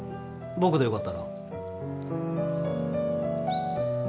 僕でよかったら。